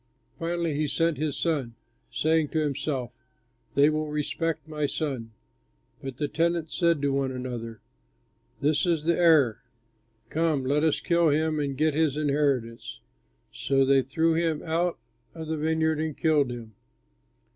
Finally he sent his son, saying to himself, 'They will respect my son.' But the tenants said to one another, 'This is the heir. Come, let us kill him and get his inheritance.' So they threw him out of the vineyard and killed him.